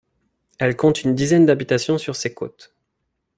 Elle compte une dizaine d'habitations sur ses côtes.